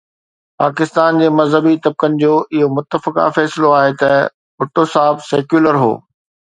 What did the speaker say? پاڪستان جي مذهبي طبقن جو اهو متفقه فيصلو آهي ته ڀٽو صاحب سيڪيولر هو.